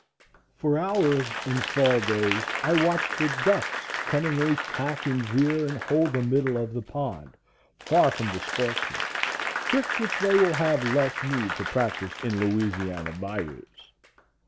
For hours, in fall days, I watched the ducks cunningly tack and veer and hold the middle of the pond, far from the sportsman; tricks which they will have less need to practise in Louisiana bayous.